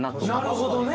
なるほどね。